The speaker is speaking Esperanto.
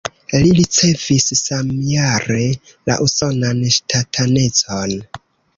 Li ricevis samjare la usonan ŝtatanecon.